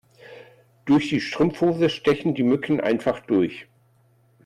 Durch die Strumpfhose stechen die Mücken einfach durch.